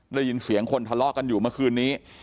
ได้ยินเสียงคนทะเลาะกันอยู่เมื่อคืนนี้